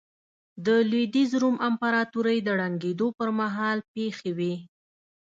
د لوېدیځ روم امپراتورۍ د ړنګېدو پرمهال پېښې وې